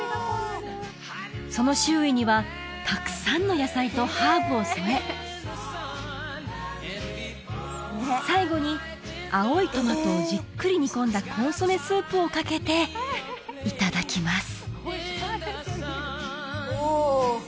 その周囲にはたくさんの野菜とハーブを添え最後に青いトマトをじっくり煮込んだコンソメスープをかけていただきます